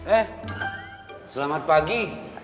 eh selamat pagi